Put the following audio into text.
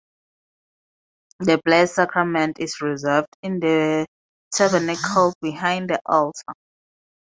The Blessed Sacrament is reserved in the tabernacle behind the altar.